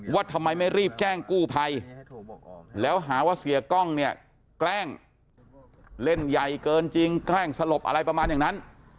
ว่าทำไมไม่รีบแจ้งกู้ภัยแล้วหาว่าเสียกล้องเนี่ยแกล้งเล่นใหญ่เกินจริงแกล้งสลบอะไรประมาณอย่างนั้น